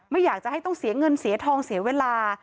ไม่อยากจะให้ต้องเสียเงินเสียทองเสียเวลา